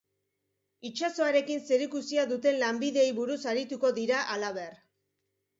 Itsasoarekin zerikusia duten lanbideei buruz arituko dira, halaber.